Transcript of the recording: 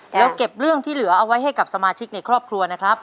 แล้วเก็บเรื่องที่เหลือเอาไว้ให้กับสมาชิกในครอบครัวนะครับ